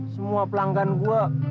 semua pelanggan gua